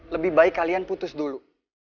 lebih baik kalian putus dulu